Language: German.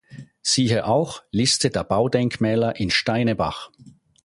Siehe auch: Liste der Baudenkmäler in Steinebach